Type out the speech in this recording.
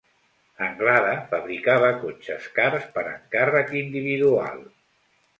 Anglada fabricava cotxes cars per encàrrec individual.